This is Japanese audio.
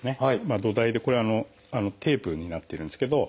土台でこれテープになっているんですけど。